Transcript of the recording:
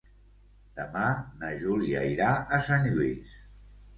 Demà na Júlia irà a Sant Lluís.